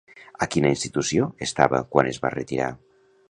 A quina institució estava quan es va retirar?